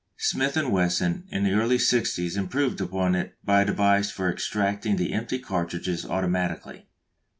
Smith and Wesson in the early sixties improved upon it by a device for extracting the empty cartridges automatically.